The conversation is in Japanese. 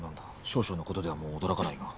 少々のことではもう驚かないが。